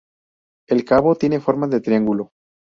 El cabo tiene forma de triángulo.